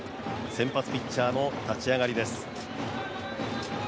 先発ピッチャーの立ち上がりです。